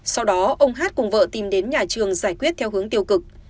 sau đó ông hát cùng vợ tìm đến nhà trường giải quyết theo hướng tiêu cực